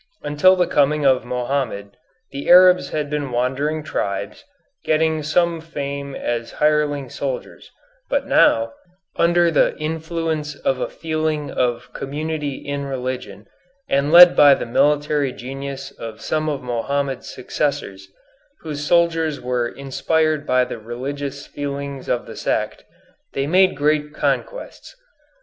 Until the coming of Mohammed, the Arabs had been wandering tribes, getting some fame as hireling soldiers, but now, under the influence of a feeling of community in religion, and led by the military genius of some of Mohammed's successors, whose soldiers were inspired by the religious feelings of the sect, they made great conquests.